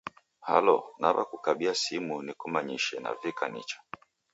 Halo!, naw'akukabia simu nikumanyishe navika nicha.